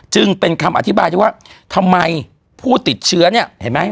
จึงเป็นคำอธิบายที่ว่าทำไมผู้ติดเชื้อเนี่ยเห็นไหม